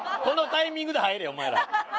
このタイミングで入れお前ら。